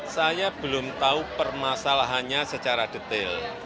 saya belum tahu permasalahannya secara detail